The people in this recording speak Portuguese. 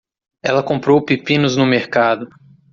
Ela comprou pepinos no mercado.